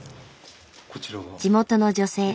地元の女性。